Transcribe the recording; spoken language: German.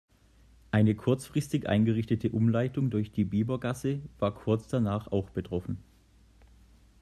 Eine kurzfristig eingerichtete Umleitung durch die Biebergasse war kurz danach auch betroffen.